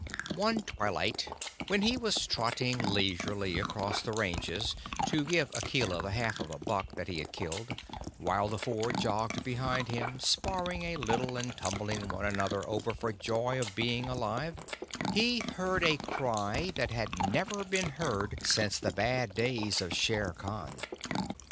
One twilight when he was trotting leisurely across the ranges to give Akela the half of a buck that he had killed, while the Four jogged behind him, sparring a little, and tumbling one another over for joy of being alive, he heard a cry that had never been heard since the bad days of Shere Khan.